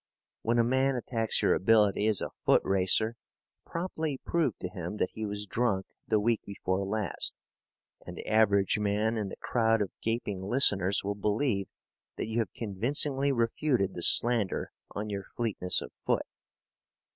When a man attacks your ability as a foot racer, promptly prove to him that he was drunk the week before last, and the average man in the crowd of gaping listeners will believe that you have convincingly refuted the slander on your fleetness of foot.